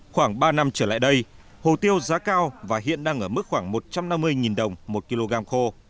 khoảng ba năm trở lại đây hồ tiêu giá cao và hiện đang ở mức khoảng một trăm năm mươi đồng một kg khô